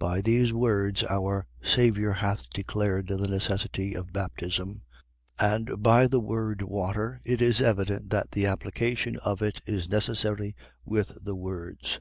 .By these words our Saviour hath declared the necessity of baptism; and by the word water it is evident that the application of it is necessary with the words.